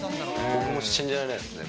僕も信じられないですね。